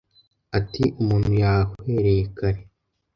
ati umuntu yahwereye kare